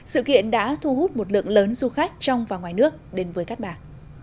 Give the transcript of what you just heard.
sự kiện đã thu hút một lượng lớn du khách trong và ngoài nước đến với cát bà